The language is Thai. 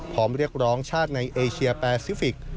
พร้อมเรียกร้องชาติในเอเชียแปซิฟิกส์